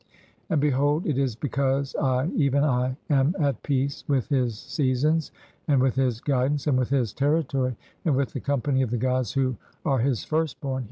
And behold, it is because I, even I, am at peace "with his seasons, and with his guidance, and with his territory, "and with the company of the gods who (8) are his firstborn.